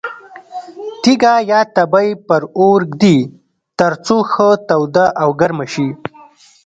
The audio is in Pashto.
تیږه یا تبۍ پر اور ږدي ترڅو ښه توده او ګرمه شي.